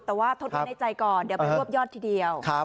แต่ว่าทดไว้ในใจก่อนเดี๋ยวไปรวบยอดทีเดียว